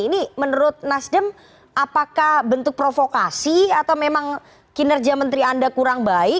ini menurut nasdem apakah bentuk provokasi atau memang kinerja menteri anda kurang baik